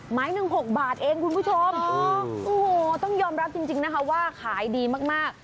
หมายหนึ่งหกบาทเองคุณผู้ชมต้องยอมรับจริงจริงนะคะว่าขายดีมากมาก